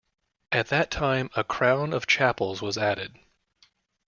At that time, a crown of chapels was added.